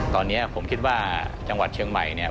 ตอนนี้ผมคิดว่าจังหวัดเชียงใหม่เนี่ย